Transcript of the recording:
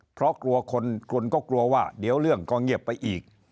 เพราะกลัวคนก็กลัวว่าเดี๋ยวเรื่องก็เงียบไปอีก